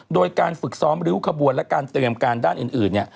โดยการฝึกซ้อมริ้วขบวนและการเตรียมการด้านอื่น